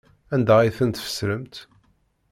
Anda ay ten-tfesremt?